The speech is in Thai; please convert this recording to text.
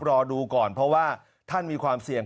รอดูก่อนเพราะว่าท่านมีความเสี่ยง